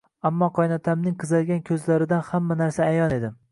Ammo qaynotamning qizargan koʻzlaridan hamma narsa ayon edi